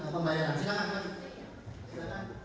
hai senang ya para penunjukan